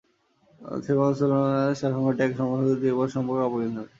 খ্রি-মাং-স্লোন-র্ত্সানের শাসনকালে ট্যাং সাম্রাজ্যের সঙ্গে তিব্বতের সম্পর্কের অবনতি ঘটে।